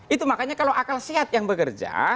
itu makanya kalau akal sehat yang bekerja